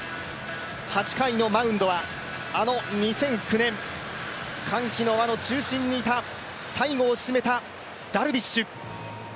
８回のマウンドは、あの２００９年、歓喜の輪の中心にいた最後を締めたダルビッシュ。